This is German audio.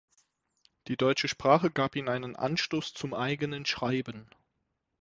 Die deutsche Sprache gab ihm einen Anstoß zum eigenen Schreiben.